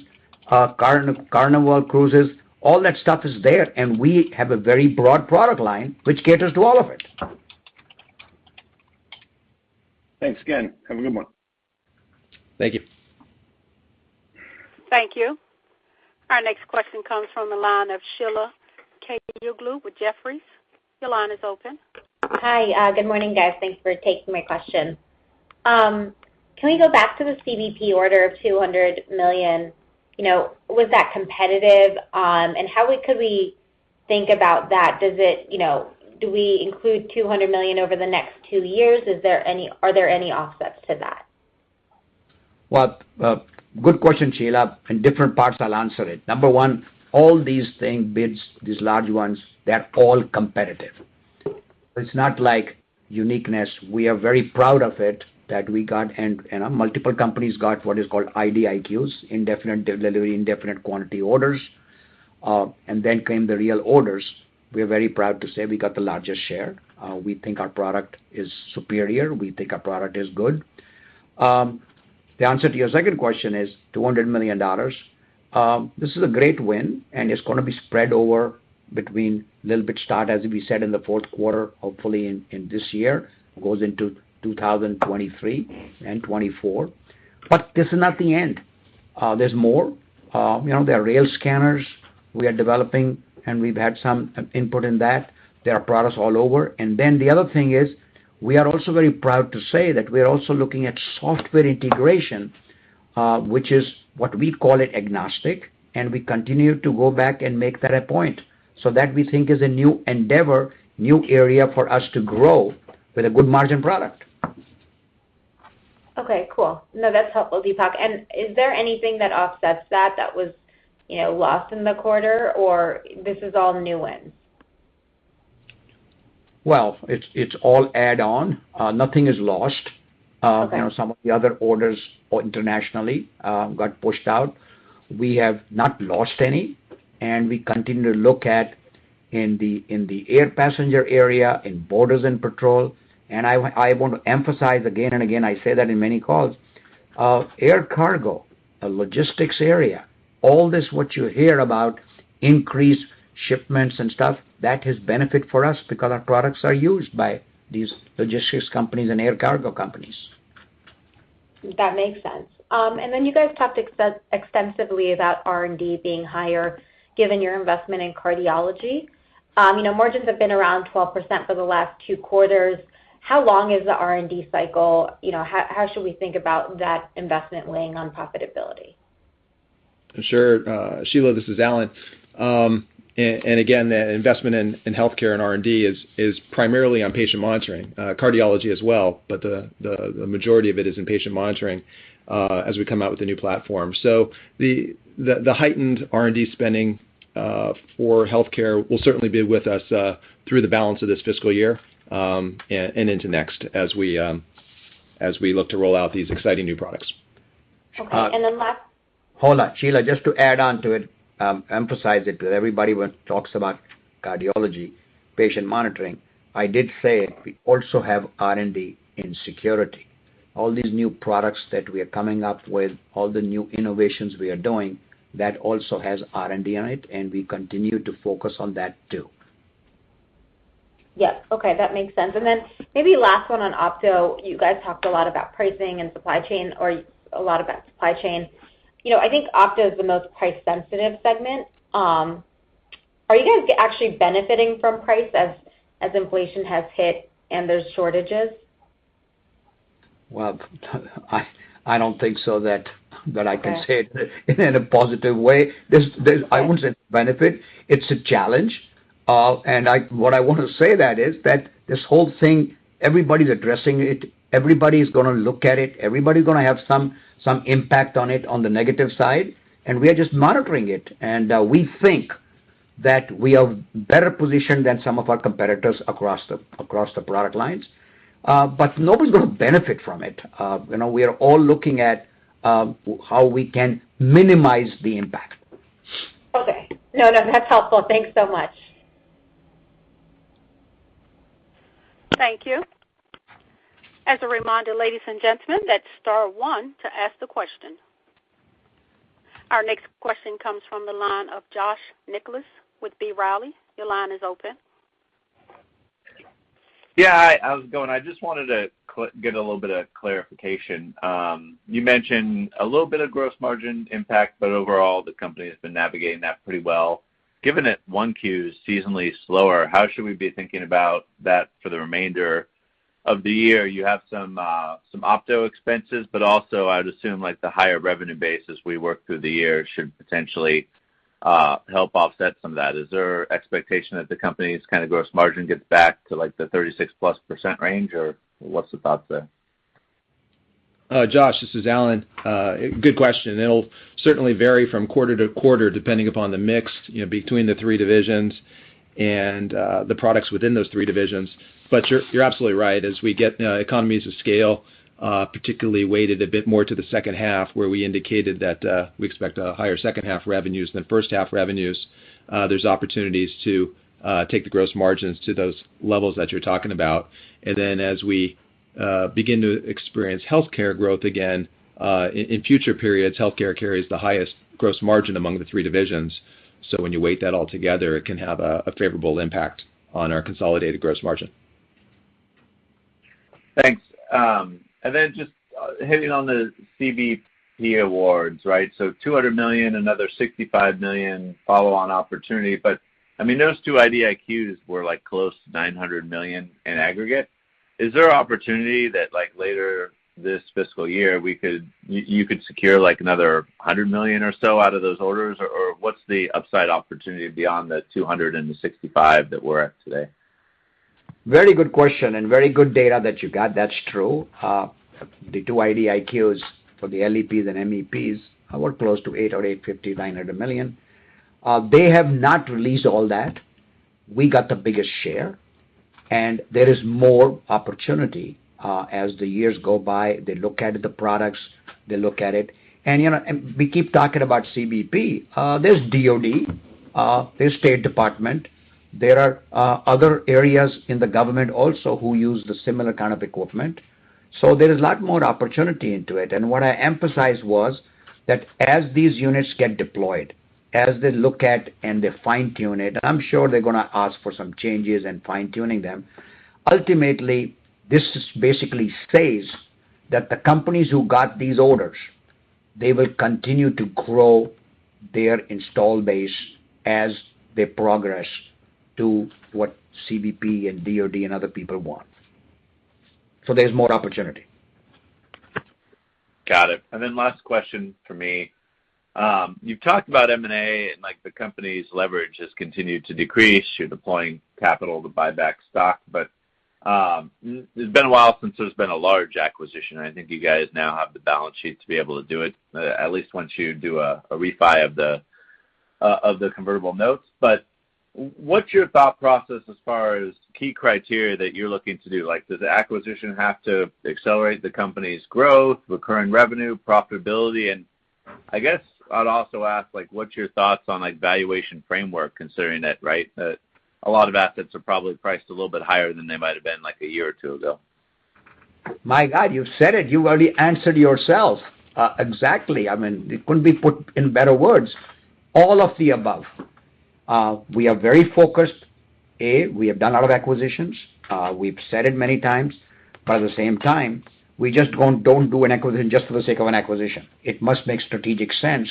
carnival cruises, all that stuff is there, and we have a very broad product line which caters to all of it. Thanks again. Have a good one. Thank you. Thank you. Our next question comes from the line of Sheila Kahyaoglu with Jefferies. Your line is open. Hi. Good morning, guys. Thanks for taking my question. Can we go back to the CBP order of $200 million? You know, was that competitive? How could we think about that? Does it? You know, do we include $200 million over the next two years? Are there any offsets to that? Well, good question, Sheila. In different parts, I'll answer it. Number one, all these things, bids, these large ones, they're all competitive. It's not like uniqueness. We are very proud of it that we got, and multiple companies got what is called IDIQs, indefinite delivery, indefinite quantity orders, and then came the real orders. We are very proud to say we got the largest share. We think our product is superior. We think our product is good. The answer to your second question is $200 million. This is a great win, and it's gonna be spread over between little bit start, as we said, in the fourth quarter, hopefully in this year, goes into 2023 and 2024. This is not the end. There's more. You know, there are rail scanners we are developing, and we've had some input in that. There are products all over. The other thing is, we are also very proud to say that we are also looking at software integration, which is what we call it agnostic, and we continue to go back and make that a point. That we think is a new endeavor, new area for us to grow with a good margin product. Okay, cool. No, that's helpful, Deepak. Is there anything that offsets that was, you know, lost in the quarter? Or this is all new wins? Well, it's all add-on. Nothing is lost. Okay. You know, some of the other orders internationally got pushed out. We have not lost any, and we continue to look at in the air passenger area, in borders and patrol. I want to emphasize again and again. I say that in many calls, air cargo, a logistics area, all this, what you hear about increased shipments and stuff, that is benefit for us because our products are used by these logistics companies and air cargo companies. That makes sense. You guys talked extensively about R&D being higher, given your investment in cardiology. You know, margins have been around 12% for the last two quarters. How long is the R&D cycle? You know, how should we think about that investment weighing on profitability? Sure. Sheila, this is Alan. Again, the investment in Healthcare and R&D is primarily on patient monitoring, cardiology as well. The majority of it is in patient monitoring, as we come out with the new platform. The heightened R&D spending for Healthcare will certainly be with us through the balance of this fiscal year, and into next as we look to roll out these exciting new products. Okay. Hold on, Sheila. Just to add on to it, emphasize it, because everybody talks about cardiology, patient monitoring. I did say we also have R&D in security. All these new products that we are coming up with, all the new innovations we are doing, that also has R&D on it, and we continue to focus on that too. Yes. Okay. That makes sense. Maybe last one on Opto. You guys talked a lot about supply chain. You know, I think Opto is the most price sensitive segment. Are you guys actually benefiting from price as inflation has hit and there's shortages? Well, I don't think so that I can say it in a positive way. I wouldn't say benefit. It's a challenge. What I want to say is that this whole thing, everybody's addressing it, everybody's gonna look at it, everybody's gonna have some impact on it on the negative side, and we are just monitoring it. We think that we are better positioned than some of our competitors across the product lines. Nobody's gonna benefit from it. You know, we are all looking at how we can minimize the impact. Okay. No, no, that's helpful. Thanks so much. Thank you. As a reminder, ladies and gentlemen, that's star one to ask the question. Our next question comes from the line of Josh Nichols with B. Riley. Your line is open. Yeah, how's it going? I just wanted to get a little bit of clarification. You mentioned a little bit of gross margin impact, but overall, the company has been navigating that pretty well. Given that 1Q is seasonally slower, how should we be thinking about that for the remainder of the year? You have some Opto expenses, but also I'd assume like the higher revenue base as we work through the year should potentially help offset some of that. Is there expectation that the company's kinda gross margin gets back to like the 36%+ range, or what's the thought there? Josh, this is Alan. Good question. It'll certainly vary from quarter to quarter, depending upon the mix, you know, between the three divisions and the products within those three divisions. You're absolutely right. As we get economies of scale, particularly weighted a bit more to the second half, where we indicated that we expect a higher second half revenues than first half revenues, there's opportunities to take the gross margins to those levels that you're talking about. As we begin to experience Healthcare growth again in future periods, Healthcare carries the highest gross margin among the three divisions. When you weight that all together, it can have a favorable impact on our consolidated gross margin. Thanks. Just hitting on the CBP awards, right? $200 million, another $65 million follow-on opportunity. I mean, those two IDIQs were like close to $900 million in aggregate. Is there opportunity that, like, later this fiscal year, you could secure like another $100 million or so out of those orders? Or what's the upside opportunity beyond the $265 that we're at today? Very good question and very good data that you got. That's true. The two IDIQs for the LEP and MEPs were close to $850 million-$900 million. They have not released all that. We got the biggest share, and there is more opportunity as the years go by. They look at the products, they look at it. You know, and we keep talking about CBP. There's DoD, there's State Department. There are other areas in the government also who use the similar kind of equipment. So there is a lot more opportunity into it. What I emphasized was that as these units get deployed, as they look at and they fine-tune it, I'm sure they're gonna ask for some changes in fine-tuning them. Ultimately, this basically says that the companies who got these orders, they will continue to grow their install base as they progress to what CBP and DoD and other people want. There's more opportunity. Got it. Last question for me. You've talked about M&A, and like the company's leverage has continued to decrease. You're deploying capital to buy back stock. It's been a while since there's been a large acquisition. I think you guys now have the balance sheet to be able to do it, at least once you do a refi of the convertible notes. What's your thought process as far as key criteria that you're looking to do? Like, does the acquisition have to accelerate the company's growth, recurring revenue, profitability? I guess I'd also ask like what's your thoughts on like valuation framework considering that, right, a lot of assets are probably priced a little bit higher than they might have been like a year or two ago? My God, you said it. You already answered yourself exactly. I mean, it couldn't be put in better words. All of the above. We are very focused. A, we have done a lot of acquisitions. We've said it many times. But at the same time, we just don't do an acquisition just for the sake of an acquisition. It must make strategic sense.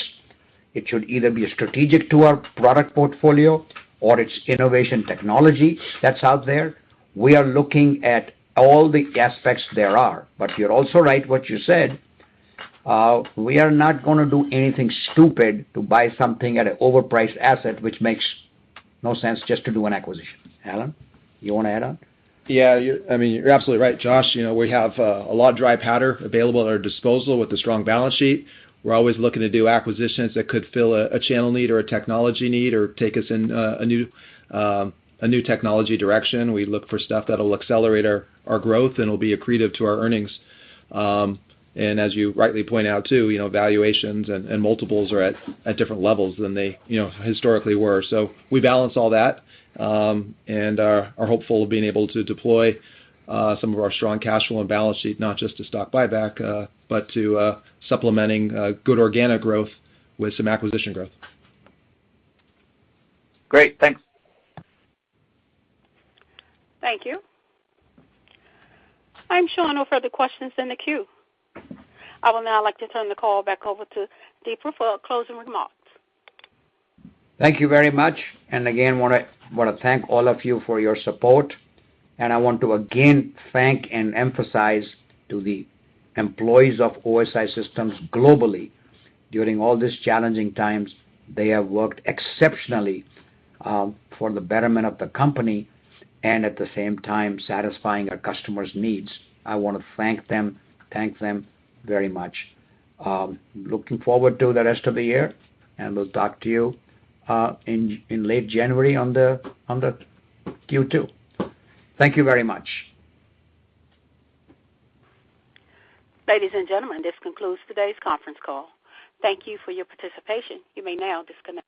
It should either be strategic to our product portfolio or it's innovation technology that's out there. We are looking at all the aspects there are. But you're also right what you said. We are not gonna do anything stupid to buy something at an overpriced asset, which makes no sense just to do an acquisition. Alan, you wanna add on? Yeah, I mean, you're absolutely right, Josh. You know, we have a lot of dry powder available at our disposal with a strong balance sheet. We're always looking to do acquisitions that could fill a channel need or a technology need or take us in a new technology direction. We look for stuff that'll accelerate our growth and will be accretive to our earnings. As you rightly point out, too, you know, valuations and multiples are at different levels than they, you know, historically were. We balance all that, and are hopeful of being able to deploy some of our strong cash flow and balance sheet, not just to stock buyback, but to supplementing good organic growth with some acquisition growth. Great. Thanks. Thank you. I'm showing no further questions in the queue. I would now like to turn the call back over to Deepak for closing remarks. Thank you very much. Again, wanna thank all of you for your support. I want to again thank and emphasize to the employees of OSI Systems globally. During all these challenging times, they have worked exceptionally for the betterment of the company and at the same time satisfying our customers' needs. I wanna thank them very much. Looking forward to the rest of the year, and we'll talk to you in late January on the Q2. Thank you very much. Ladies and gentlemen, this concludes today's conference call. Thank you for your participation. You may now disconnect.